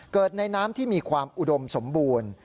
เกิดในน้ำที่มีความอุดมสมบูรณ์